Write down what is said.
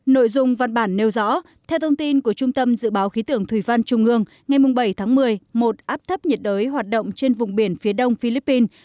nội dung văn bản nêu rõ theo thông tin của trung tâm dự báo khí tượng thủy văn trung ương ngày bảy tháng một mươi một áp thấp nhiệt đới hoạt động trên vùng biển phía đông philippines